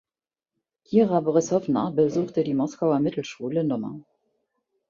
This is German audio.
Kira Borissowna besuchte die Moskauer Mittelschule Nr.